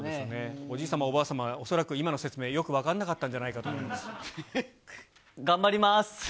おじい様、おばあ様は、恐らく今の説明、よく分かんなかったんじゃないか頑張ります。